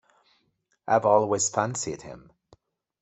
I've always fancied him.